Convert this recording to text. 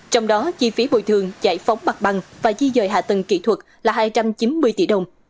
trong đó chi phí bồi thường giải phóng mặt bằng và di dời hạ tầng kỹ thuật là hai trăm chín mươi tỷ đồng